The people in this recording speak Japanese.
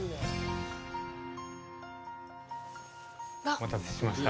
お待たせしました。